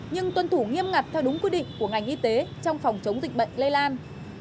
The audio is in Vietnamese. nhưng tuân thủ nghiêm ngặt theo đúng quy định của ngành y tế trong phòng chống dịch bệnh lây lan